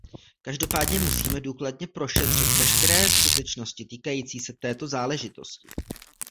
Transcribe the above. Každopádně musíme důkladně prošetřit veškeré skutečnosti týkající se této záležitosti.